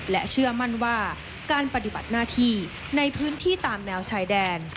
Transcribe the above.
และเชื่อมั่นว่าการปฏิบัติหน้าที่ในพื้นที่ตามแนวชายแดน